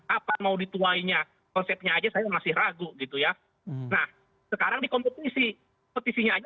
apa mau dituainya konsepnya aja saya masih ragu gitu ya nah sekarang di kompetisi petisinya aja